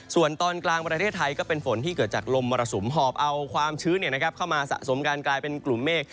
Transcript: ส่วนตอนกลางประเทศไทยก็เป็นฝนที่เกิดจากลมมรสุมหอบเอาความชื้นเข้ามาสะสมการกลายเป็นกลุ่มเมฆ